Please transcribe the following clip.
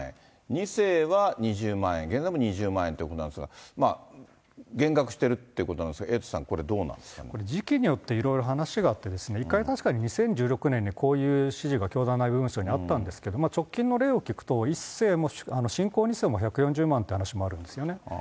２世は２０万円、現在も２０万円ということなんですが、減額してるってことなんですが、エイトさん、時期によっていろいろ話があって、一回確かに、こういう指示が教団内部文書にあったんですけど、直近の例を聞くと、１世も信仰２世も１４０万って話もあるんですよね。